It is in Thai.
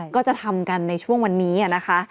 ก็จะทำกันในช่วงวันนี้นะคะ